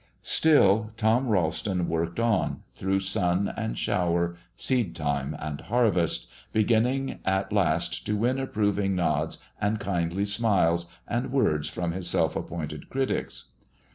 Still Tom Ralston worked on, through sun and shower, seed time and harvest, beginning at last to win approving nods and kindly smiles and words from his self appointed critics.